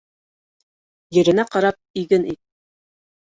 Еренә ҡарап иген ик.